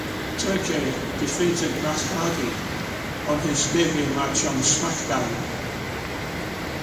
Terkay defeated Matt Hardy in his debut match on "SmackDown!".